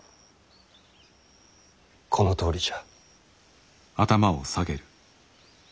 このとおりじゃ。